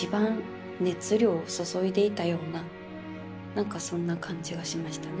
何かそんな感じがしましたね。